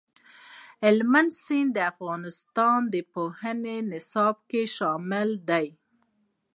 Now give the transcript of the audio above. هلمند سیند د افغانستان د پوهنې نصاب کې شامل دي.